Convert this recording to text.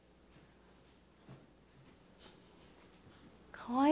かわいい。